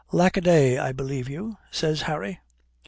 "Lack a day, I believe you," says Harry.